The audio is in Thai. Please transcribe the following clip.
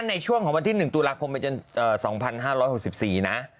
ในช่วงของวันที่๑ตุลาคมไปจน๒๕๖๔นะ